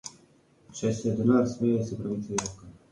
Če se denar smeje, se pravica joka.